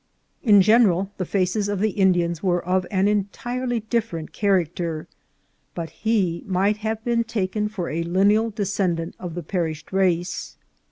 In general the faces of the Indians were of an entirely different char acter, but he might have been taken for a lineal de scendant of the perished race.